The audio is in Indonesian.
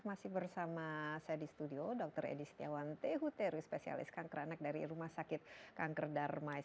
masih bersama saya di studio dr edi setiawan tehuteru spesialis kanker anak dari rumah sakit kanker darmais